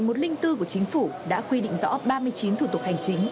điều một trăm linh bốn của chính phủ đã quy định rõ ba mươi chín thủ tục hành chính